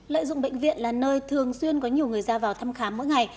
lợi dụng bệnh viện là nơi thường xuyên có nhiều người ra vào thăm khám mỗi ngày